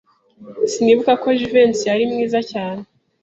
Sinibuka ko Jivency yari mwiza cyane.